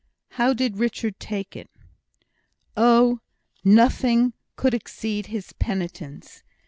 "How did Richard take it?" "Oh, nothing could exceed his penitence.